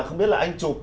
không biết là anh chụp